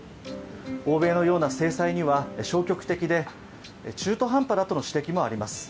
欧米のような制裁には消極的で中途半端だとの指摘もあります。